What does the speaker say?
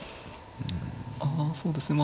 ああそうですね